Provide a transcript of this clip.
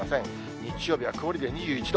日曜日は曇りで２１度。